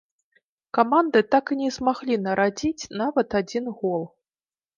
Каманды так і не змаглі нарадзіць нават адзін гол.